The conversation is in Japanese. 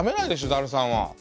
ダルさんは！